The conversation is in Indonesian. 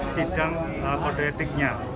sidang kode etiknya